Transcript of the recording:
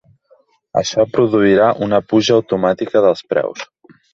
Això produirà una puja automàtica dels preus.